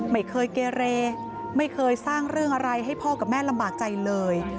ไม่เคยเกเรไม่เคยสร้างเรื่องอะไรให้พ่อกับแม่ลำบากใจเลย